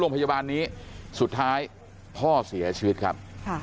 โรงพยาบาลนี้สุดท้ายพ่อเสียชีวิตครับ